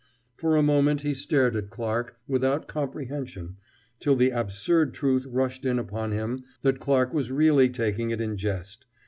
For a moment he stared at Clarke, without comprehension, till the absurd truth rushed in upon him that Clarke was really taking it in jest.